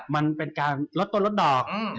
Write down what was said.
มันเป็นการลดต้นลดดอก